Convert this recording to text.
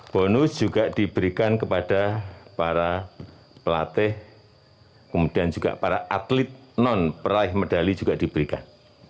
bonus juga diberikan kepada para pelatih kemudian juga para atlet non peraih medali juga diberikan